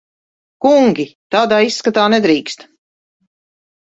Kungi! Tādā izskatā nedrīkst.